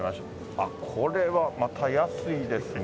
あっ、これはまた安いですね。